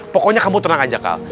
pokoknya kamu tenang aja kak